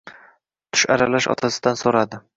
Tush aralash otasidan so`radi